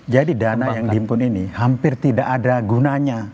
jadi dana yang dihimpun ini hampir tidak ada gunanya